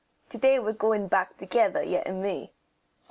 To day we're going back together, ye and me."